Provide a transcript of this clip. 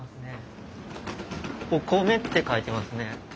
「お米」って書いてますね。